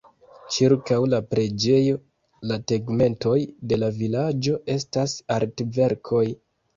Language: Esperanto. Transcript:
Ĉirkaŭ la preĝejo, la tegmentoj de la vilaĝo estas artverkoj.